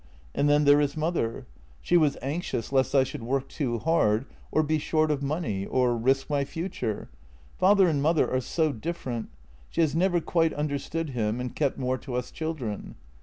And then there is mother. She was anxious lest I should work too hard, or be short of money — or risk my future. F ather and mother are so different — she has never quite understood him, and kept more to us children.